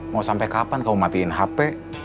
mau sampai kapan kau matiin hp